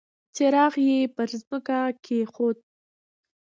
څراغ يې پر ځمکه کېښود.